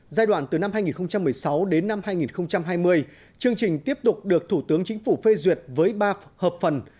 giai đoạn từ năm hai nghìn một mươi sáu đến năm hai nghìn hai mươi chương trình tiếp tục được thủ tướng chính phủ phê duyệt với ba hợp phần